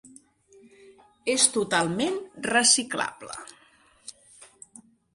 És totalment reciclable.